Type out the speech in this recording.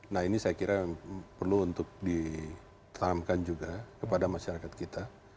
nah ini saya kira perlu untuk ditanamkan juga kepada masyarakat kita